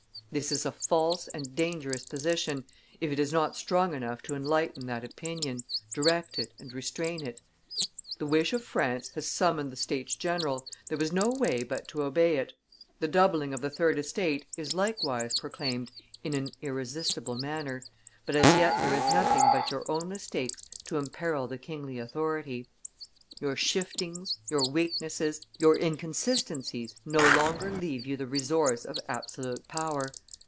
"This is a false and dangerous position, if it is not strong enough to enlighten that opinion, direct it, and restrain it. "The wish of France has summoned the States general, there was no way but to obey it. The doubling of the third (estate) is likewise proclaimed in an irresistible manner, but as yet there is nothing but your own mistakes to imperil the kingly authority. "Your shiftings, your weaknesses, your inconsistencies no longer leave you the resource of absolute power.